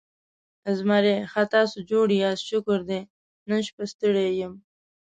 زمری: ښه، تاسې جوړ یاست؟ شکر دی، نن شپه ستړی یم.